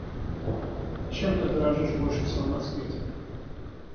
Чем ты дорожишь больше всего на свете?